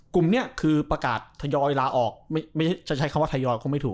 กลุ่มนี้คือประกาศทยอยลาออกไม่ใช่จะใช้คำว่าทยอยคงไม่ถูก